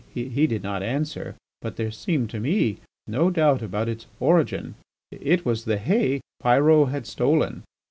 He did not answer, but there seemed to me no doubt about its origin. It was the hay Pyrot had stolen.